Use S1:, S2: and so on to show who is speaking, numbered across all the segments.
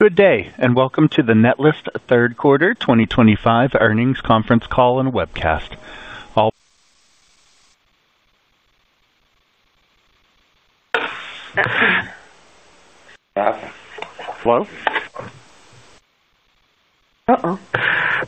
S1: Good day, and welcome to the Netlist Third Quarter 2025 earnings conference call and webcast. All.
S2: Hello?
S3: Uh-oh.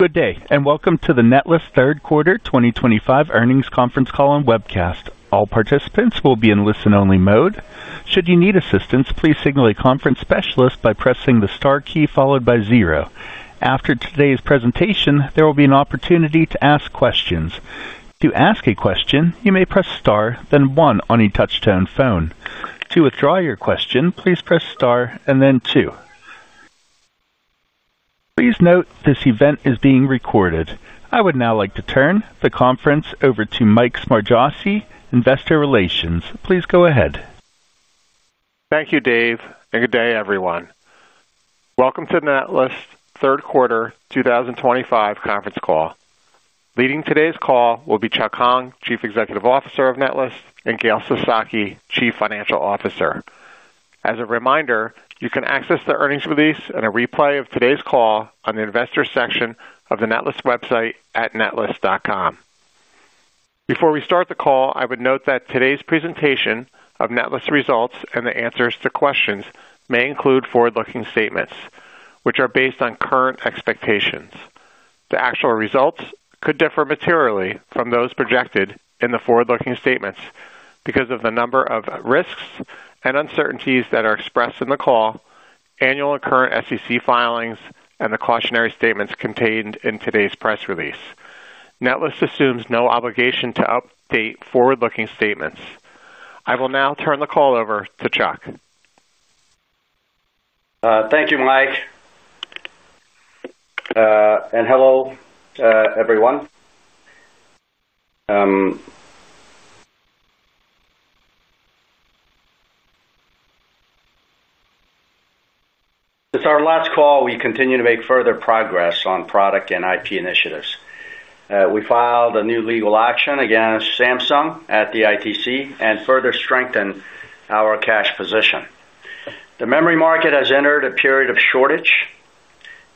S1: Good day, and welcome to the Netlist Third Quarter 2025 earnings conference call and webcast. All participants will be in listen-only mode. Should you need assistance, please signal a conference specialist by pressing the star key followed by zero. After today's presentation, there will be an opportunity to ask questions. To ask a question, you may press star, then one on a touch-tone phone. To withdraw your question, please press star and then two. Please note this event is being recorded. I would now like to turn the conference over to Mike Smargiassi, Investor Relations. Please go ahead.
S4: Thank you, Dave, and good day, everyone. Welcome to Netlist Third Quarter 2025 conference call. Leading today's call will be Chuck Hong, Chief Executive Officer of Netlist, and Gail Sasaki, Chief Financial Officer. As a reminder, you can access the earnings release and a replay of today's call on the Investor section of the Netlist website at netlist.com. Before we start the call, I would note that today's presentation of Netlist results and the answers to questions may include forward-looking statements, which are based on current expectations. The actual results could differ materially from those projected in the forward-looking statements because of the number of risks and uncertainties that are expressed in the call, annual and current SEC filings, and the cautionary statements contained in today's press release. Netlist assumes no obligation to update forward-looking statements. I will now turn the call over to Chuck.
S5: Thank you, Mike. And hello, everyone. Since our last call, we continue to make further progress on product and IP initiatives. We filed a new legal action against Samsung at the ITC and further strengthened our cash position. The memory market has entered a period of shortage.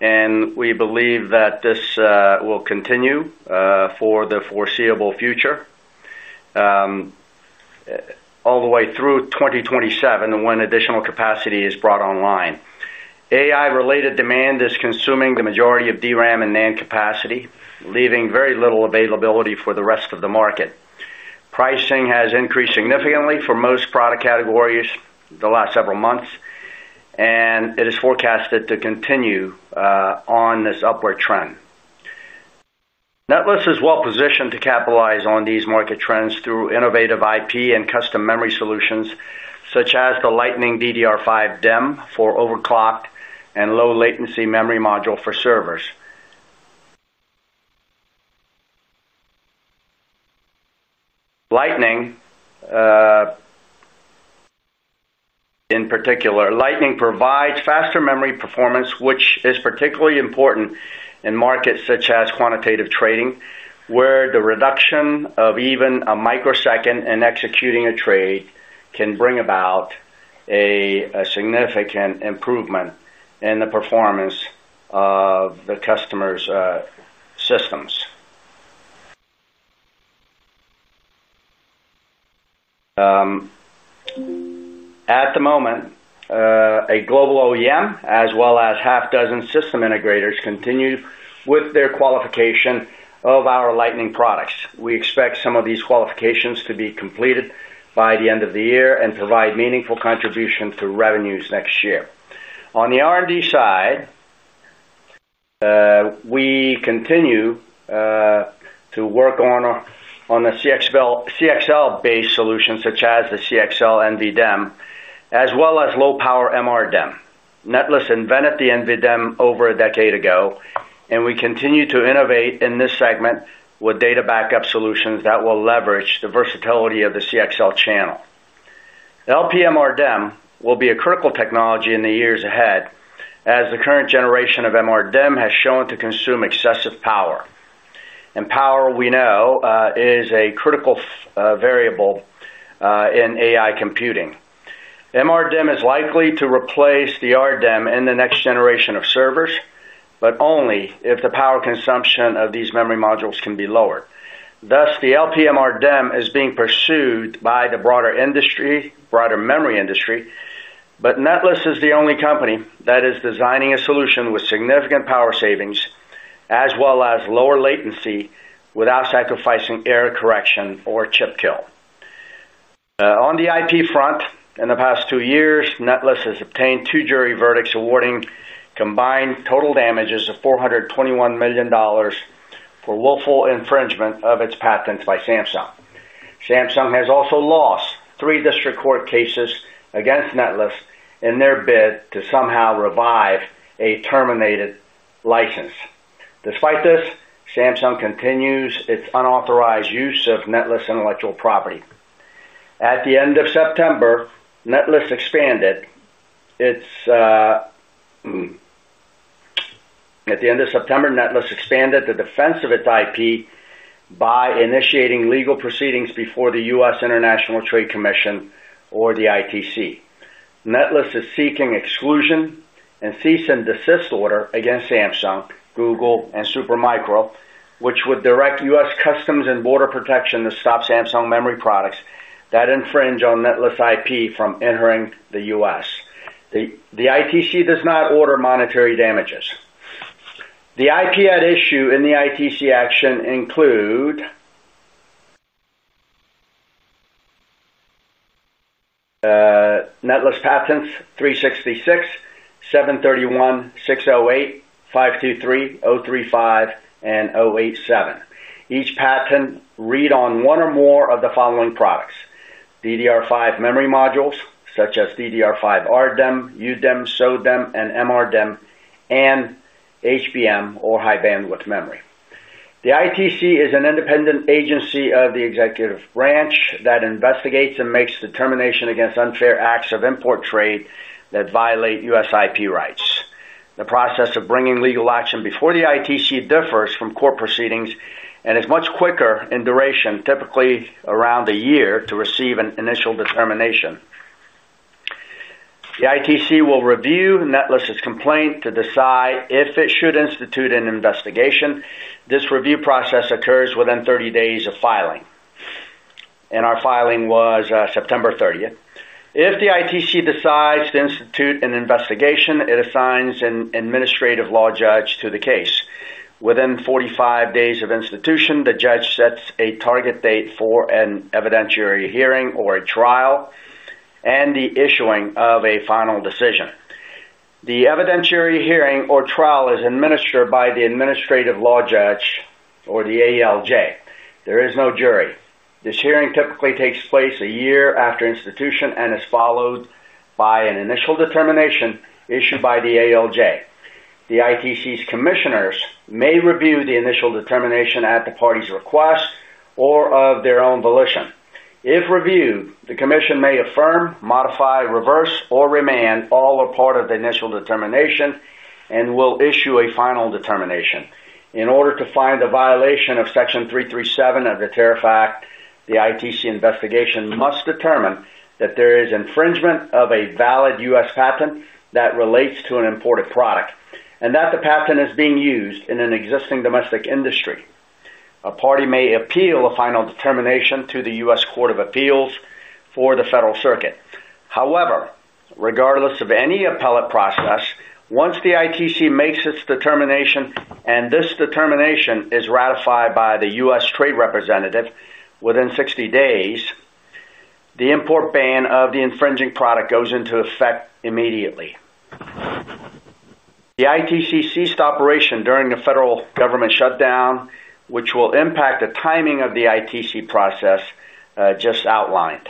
S5: We believe that this will continue for the foreseeable future, all the way through 2027 when additional capacity is brought online. AI-related demand is consuming the majority of DRAM and NAND capacity, leaving very little availability for the rest of the market. Pricing has increased significantly for most product categories the last several months, and it is forecasted to continue on this upward trend. Netlist is well-positioned to capitalize on these market trends through innovative IP and custom memory solutions such as the Lightning DDR5 DEM for overclocked and low-latency memory module for servers. Lightning. In particular, Lightning provides faster memory performance, which is particularly important in markets such as quantitative trading, where the reduction of even a microsecond in executing a trade can bring about a significant improvement in the performance of the customer's systems. At the moment, a global OEM, as well as a half-dozen system integrators, continue with their qualification of our Lightning products. We expect some of these qualifications to be completed by the end of the year and provide meaningful contributions to revenues next year. On the R&D side, we continue to work on the CXL, CXL-based solutions such as the CXL NVDEM, as well as low-power MRDIMM. Netlist invented the NVDEM over a decade ago, and we continue to innovate in this segment with data backup solutions that will leverage the versatility of the CXL channel. LPMRDIMM will be a critical technology in the years ahead, as the current generation of MRDIMM has shown to consume excessive power. Power, we know, is a critical variable in AI computing. MRDIMM is likely to replace the RDIMM in the next generation of servers, but only if the power consumption of these memory modules can be lowered. Thus, the LPMRDIMM is being pursued by the broader memory industry, but Netlist is the only company that is designing a solution with significant power savings, as well as lower latency without sacrificing error correction or chip kill. On the IP front, in the past two years, Netlist has obtained two jury verdicts awarding combined total damages of $421 million for willful infringement of its patents by Samsung. Samsung has also lost three district court cases against Netlist in their bid to somehow revive a terminated license. Despite this, Samsung continues its unauthorized use of Netlist intellectual property. At the end of September, Netlist expanded the defense of its IP by initiating legal proceedings before the US International Trade Commission, or the ITC. Netlist is seeking exclusion and cease and desist order against Samsung, Google, and Supermicro, which would direct US Customs and Border Protection to stop Samsung memory products that infringe on Netlist IP from entering the US. The ITC does not order monetary damages. The IP at issue in the ITC action include Netlist patents 366, 731, 608, 523, 035, and 087. Each patent reads on one or more of the following products: DDR5 memory modules, such as DDR5 RDIMM, UDIMM, SODIMM, and MRDIMM, and HBM, or high-bandwidth memory. The ITC is an independent agency of the executive branch that investigates and makes determinations against unfair acts of import trade that violate U.S. IP rights. The process of bringing legal action before the ITC differs from court proceedings and is much quicker in duration, typically around a year, to receive an initial determination. The ITC will review Netlist's complaint to decide if it should institute an investigation. This review process occurs within 30 days of filing. Our filing was September 30th. If the ITC decides to institute an investigation, it assigns an administrative law judge to the case. Within 45 days of institution, the judge sets a target date for an evidentiary hearing or a trial and the issuing of a final decision. The evidentiary hearing or trial is administered by the administrative law judge, or the ALJ. There is no jury. This hearing typically takes place a year after institution and is followed by an initial determination issued by the ALJ. The ITC's commissioners may review the initial determination at the party's request or of their own volition. If reviewed, the commission may affirm, modify, reverse, or remand all or part of the initial determination and will issue a final determination. In order to find a violation of Section 337 of the Tariff Act, the ITC investigation must determine that there is infringement of a valid U.S. patent that relates to an imported product and that the patent is being used in an existing domestic industry. A party may appeal a final determination to the U.S. Court of Appeals for the Federal Circuit. However, regardless of any appellate process, once the ITC makes its determination and this determination is ratified by the U.S. Trade Representative within 60 days. The import ban of the infringing product goes into effect immediately. The ITC ceased operation during the federal government shutdown, which will impact the timing of the ITC process just outlined.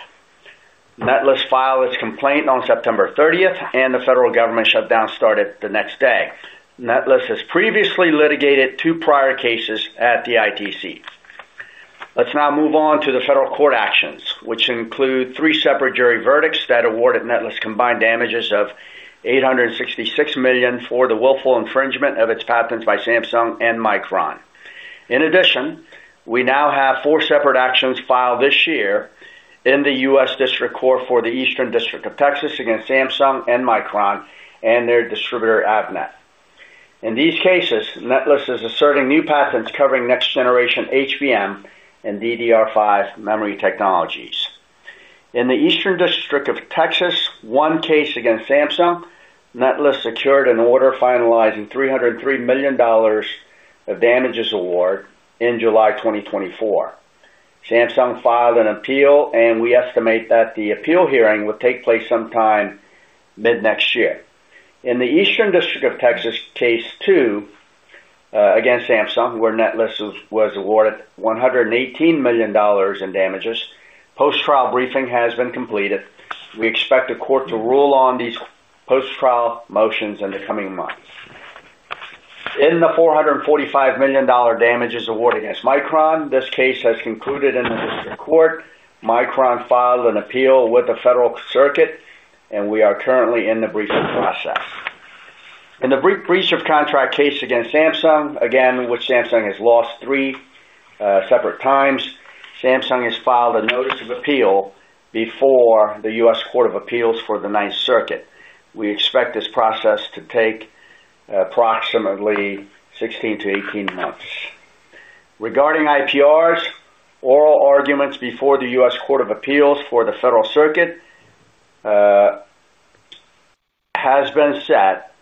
S5: Netlist filed its complaint on September 30th, and the federal government shutdown started the next day. Netlist has previously litigated two prior cases at the ITC. Let's now move on to the federal court actions, which include three separate jury verdicts that awarded Netlist combined damages of $866 million for the willful infringement of its patents by Samsung and Micron. In addition, we now have four separate actions filed this year in the US District Court for the Eastern District of Texas against Samsung and Micron and their distributor, Avnet. In these cases, Netlist is asserting new patents covering next-generation HBM and DDR5 memory technologies. In the Eastern District of Texas, one case against Samsung, Netlist secured an order finalizing $303 million of damages award in July 2024. Samsung filed an appeal, and we estimate that the appeal hearing would take place sometime mid-next year. In the Eastern District of Texas case two, against Samsung, where Netlist was awarded $118 million in damages, post-trial briefing has been completed. We expect the court to rule on these post-trial motions in the coming months. In the $445 million damages award against Micron, this case has concluded in the district court. Micron filed an appeal with the federal circuit, and we are currently in the briefing process. In the brief breach of contract case against Samsung, again, which Samsung has lost three separate times, Samsung has filed a notice of appeal before the U.S. Court of Appeals for the Ninth Circuit. We expect this process to take approximately 16 to 18 months. Regarding IPRs, oral arguments before the U.S. Court of Appeals for the Federal Circuit have been set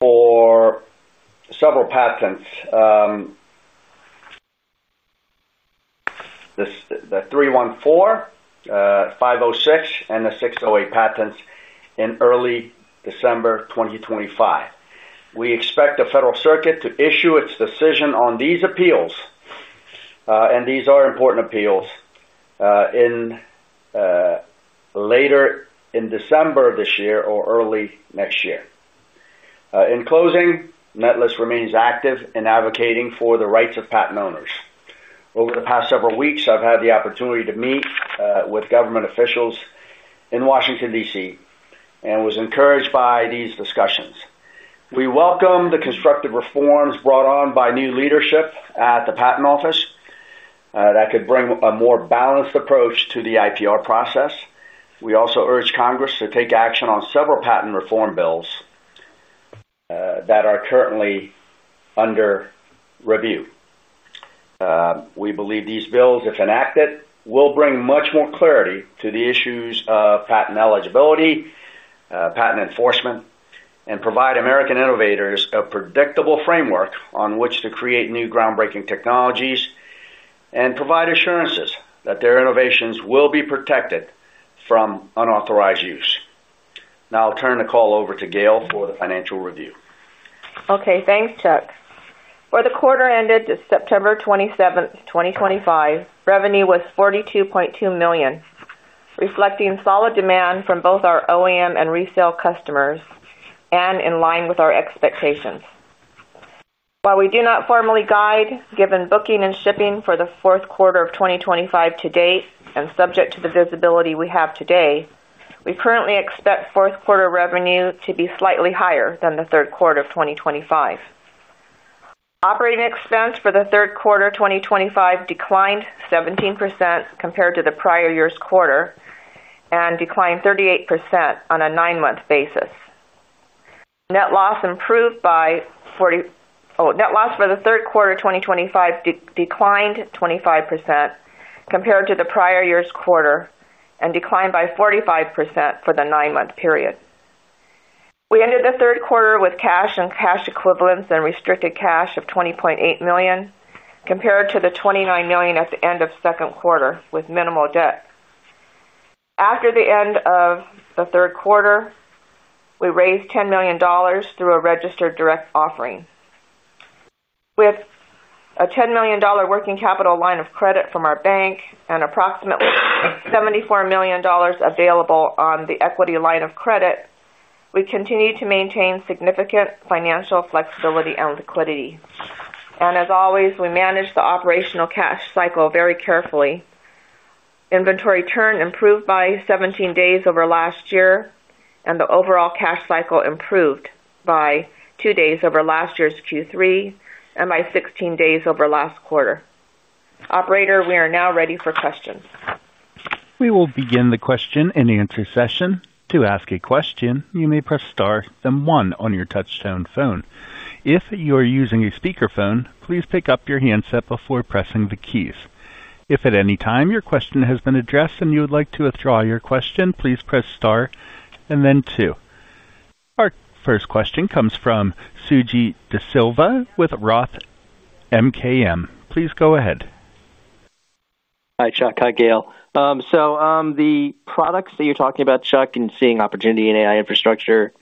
S5: for several patents, the 314, 506, and the 608 patents in early December 2025. We expect the Federal Circuit to issue its decision on these appeals, and these are important appeals, later in December of this year or early next year. In closing, Netlist remains active in advocating for the rights of patent owners. Over the past several weeks, I've had the opportunity to meet with government officials in Washington, DC, and was encouraged by these discussions. We welcome the constructive reforms brought on by new leadership at the patent office that could bring a more balanced approach to the IPR process. We also urge Congress to take action on several patent reform bills that are currently under review. We believe these bills, if enacted, will bring much more clarity to the issues of patent eligibility, patent enforcement, and provide American innovators a predictable framework on which to create new groundbreaking technologies and provide assurances that their innovations will be protected from unauthorized use. Now I'll turn the call over to Gail for the financial review.
S6: Okay. Thanks, Chuck. For the quarter ended September 27, 2025, revenue was $42.2 million, reflecting solid demand from both our OEM and resale customers and in line with our expectations. While we do not formally guide, given booking and shipping for the fourth quarter of 2025 to date and subject to the visibility we have today, we currently expect fourth quarter revenue to be slightly higher than the third quarter of 2025. Operating expense for the third quarter 2025 declined 17% compared to the prior year's quarter and declined 38% on a nine-month basis. Net loss improved by 40, oh, net loss for the third quarter 2025 declined 25% compared to the prior year's quarter and declined by 45% for the nine-month period. We ended the third quarter with cash and cash equivalents and restricted cash of $20.8 million compared to the $29 million at the end of the second quarter with minimal debt. After the end of the third quarter, we raised $10 million through a registered direct offering. With a $10 million working capital line of credit from our bank and approximately $74 million available on the equity line of credit, we continue to maintain significant financial flexibility and liquidity. As always, we manage the operational cash cycle very carefully. Inventory turn improved by 17 days over last year, and the overall cash cycle improved by two days over last year's Q3 and by 16 days over last quarter. Operator, we are now ready for questions.
S1: We will begin the question and answer session. To ask a question, you may press star and one on your touchtone phone. If you are using a speakerphone, please pick up your handset before pressing the keys. If at any time your question has been addressed and you would like to withdraw your question, please press star and then two. Our first question comes from Suji DeSilva with Roth MKM. Please go ahead.
S7: Hi, Chuck. Hi, Gail. So, the products that you're talking about, Chuck, and seeing opportunity in AI infrastructure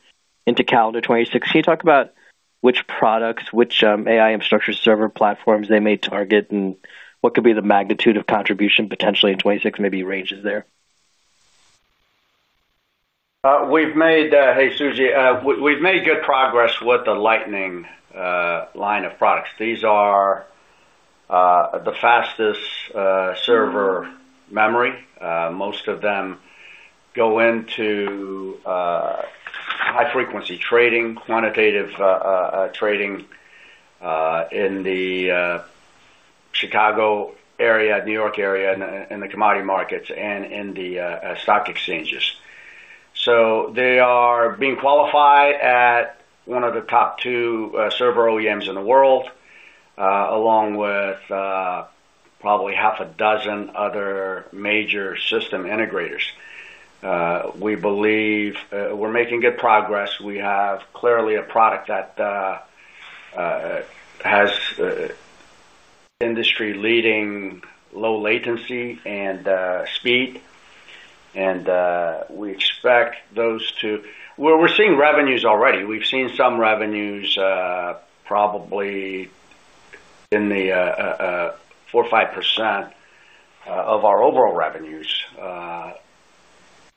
S7: into calendar 2026, talk about which products, which AI infrastructure server platforms they may target and what could be the magnitude of contribution potentially in 2026, maybe ranges there.
S5: We've made, hey, Suji, we've made good progress with the Lightning line of products. These are the fastest server memory. Most of them go into high-frequency trading, quantitative trading in the Chicago area, New York area, and in the commodity markets and in the stock exchanges. They are being qualified at one of the top two server OEMs in the world, along with probably half a dozen other major system integrators. We believe we're making good progress. We have clearly a product that has industry-leading low latency and speed. We expect those to—we're seeing revenues already. We've seen some revenues, probably in the 4%-5% of our overall revenues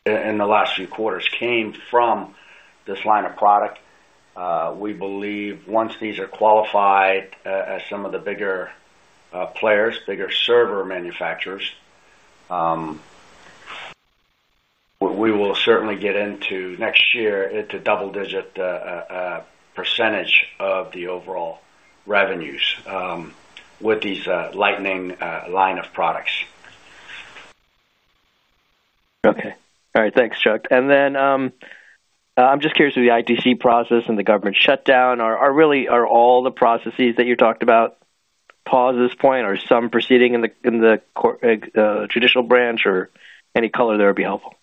S5: in the last few quarters came from this line of product. We believe once these are qualified, as some of the bigger players, bigger server manufacturers. We will certainly get into next year into double-digit percentage of the overall revenues, with these Lightning line of products.
S7: Okay. All right. Thanks, Chuck. I'm just curious, with the ITC process and the government shutdown, are all the processes that you talked about paused at this point? Are some proceeding in the court, traditional branch, or any color there would be helpful?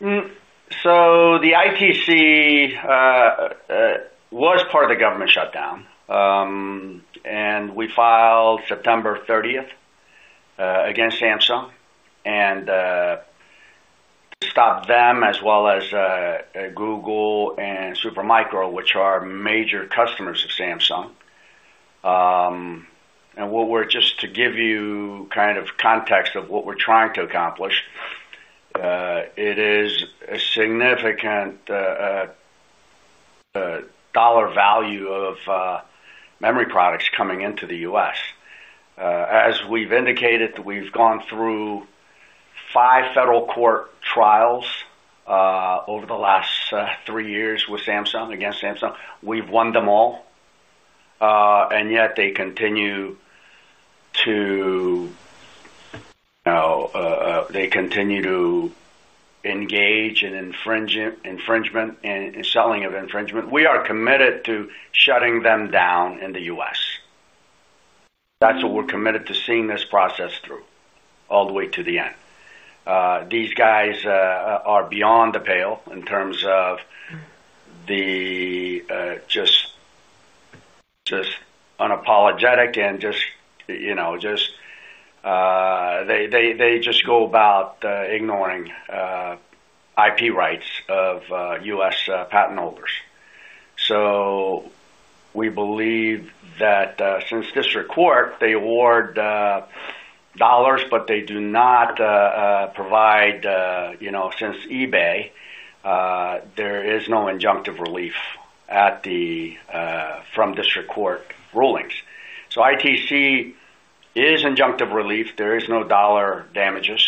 S5: The ITC was part of the government shutdown. We filed September 30 against Samsung to stop them as well as Google and Supermicro, which are major customers of Samsung. Just to give you kind of context of what we're trying to accomplish, it is a significant dollar value of memory products coming into the US. As we've indicated, we've gone through five federal court trials over the last three years with Samsung, against Samsung. We've won them all, and yet they continue to, you know, they continue to engage in infringement and selling of infringement. We are committed to shutting them down in the US. That's what we're committed to, seeing this process through all the way to the end. These guys are beyond the pale in terms of just unapologetic and just, you know, just. They just go about ignoring IP rights of U.S. patent holders. We believe that, since district court, they award dollars, but they do not provide, you know, since eBay, there is no injunctive relief at the, from district court rulings. ITC is injunctive relief. There is no dollar damages.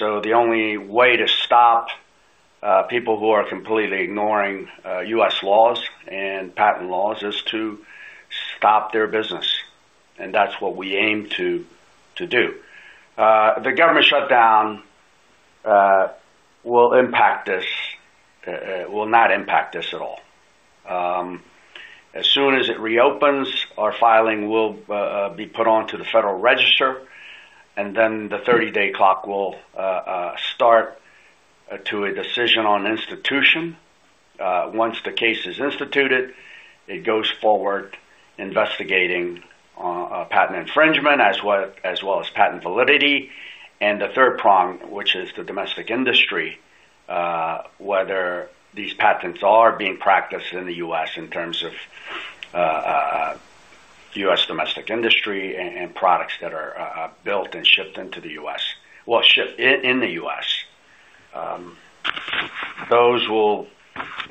S5: The only way to stop people who are completely ignoring U.S. laws and patent laws is to stop their business. That's what we aim to do. The government shutdown will not impact this at all. As soon as it reopens, our filing will be put onto the federal register, and then the 30-day clock will start to a decision on institution. Once the case is instituted, it goes forward investigating on patent infringement as well as patent validity and the third prong, which is the domestic industry, whether these patents are being practiced in the U.S. in terms of U.S. domestic industry and products that are built and shipped into the U.S., shipped in the U.S. Those will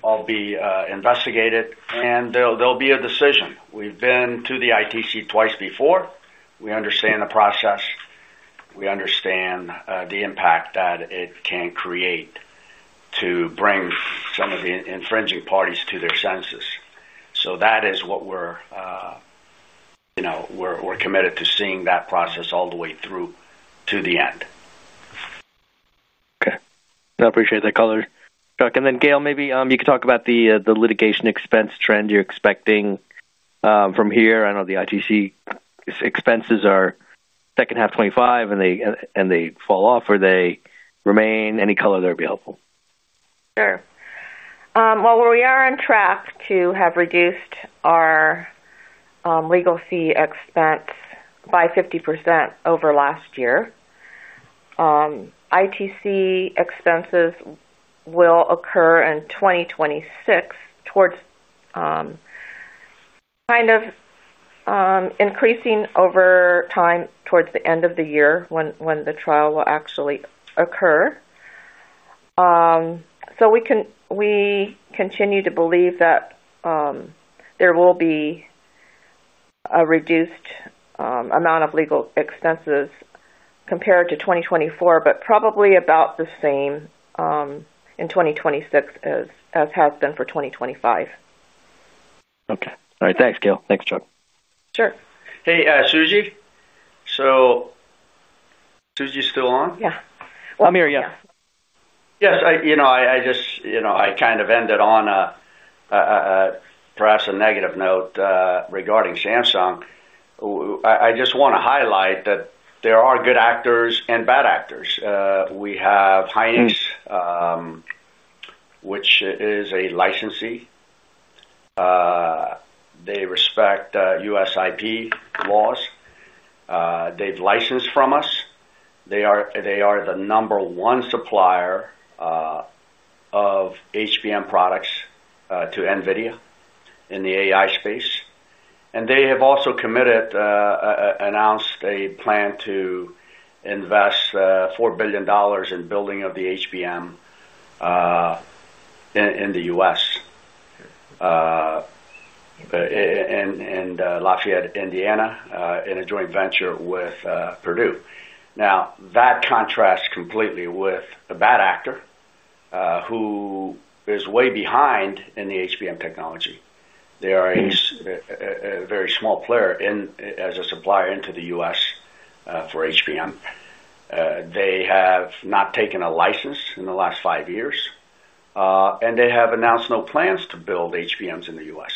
S5: all be investigated, and there will be a decision. We've been to the ITC twice before. We understand the process. We understand the impact that it can create to bring some of the infringing parties to their senses. That is what we're, you know, we're committed to seeing that process all the way through to the end.
S7: Okay. I appreciate that color, Chuck. Gail, maybe you could talk about the litigation expense trend you're expecting from here. I know the ITC expenses are second half 2025, and they fall off. Are they remain? Any color there would be helpful.
S6: Sure. We are on track to have reduced our legal fee expense by 50% over last year. ITC expenses will occur in 2026, kind of increasing over time towards the end of the year when the trial will actually occur. We continue to believe that there will be a reduced amount of legal expenses compared to 2024, but probably about the same in 2026 as has been for 2025.
S7: Okay. All right. Thanks, Gail. Thanks, Chuck.
S6: Sure.
S5: Hey, Suji? Suji still on?
S6: Yeah.
S7: I'm here. Yeah.
S5: Yes. I just, you know, I kind of ended on a, perhaps a negative note, regarding Samsung. I just wanna highlight that there are good actors and bad actors. We have Hynix, which is a licensee. They respect US IP laws. They've licensed from us. They are the number one supplier of HBM products to NVIDIA in the AI space. They have also committed, announced a plan to invest $4 billion in building the HBM in the US, in Lafayette, Indiana, in a joint venture with Purdue. Now, that contrasts completely with a bad actor who is way behind in the HBM technology. They are a very small player as a supplier into the US for HBM. They have not taken a license in the last five years. and they have announced no plans to build HBM in the U.S.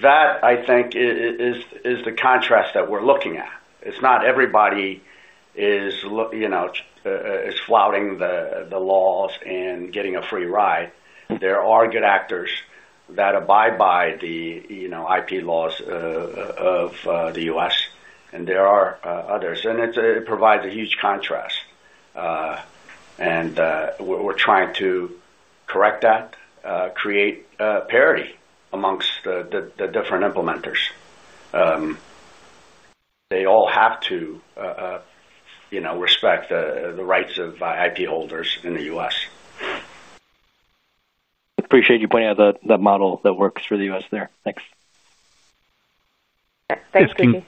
S5: That, I think, is the contrast that we're looking at. It's not everybody, you know, is flouting the laws and getting a free ride. There are good actors that abide by the, you know, IP laws of the U.S., and there are others. It provides a huge contrast. We're trying to correct that, create parity amongst the different implementers. They all have to, you know, respect the rights of IP holders in the U.S.
S7: Appreciate you pointing out that model that works for the U.S. there. Thanks.
S6: Yeah. Thanks, Suji.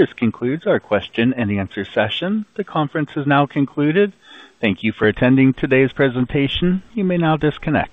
S1: This concludes our question-and-answer session. The conference is now concluded. Thank you for attending today's presentation. You may now disconnect.